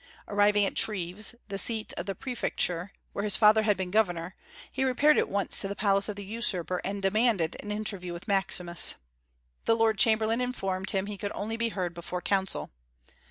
Arriving at Treves, the seat of the prefecture, where his father had been governor, he repaired at once to the palace of the usurper, and demanded an interview with Maximus. The lord chamberlain informed him he could only be heard before council.